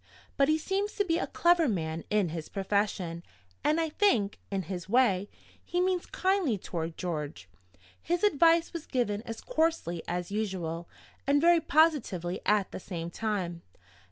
But he seems to be a clever man in his profession and I think, in his way, he means kindly toward George. His advice was given as coarsely as usual, and very positively at the same time.